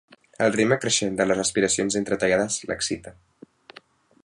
El ritme creixent de les respiracions entretallades l'excita.